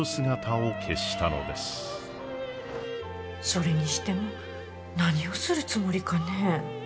それにしても何をするつもりかね？